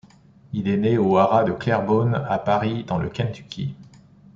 Il est né au haras de Clairbone, à Paris, dans le Kentucky.